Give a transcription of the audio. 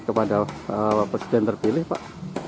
kepada presiden terpilih pak